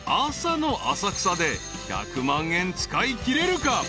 朝の浅草で１００万円使いきれるか？］